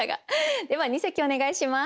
では二席お願いします。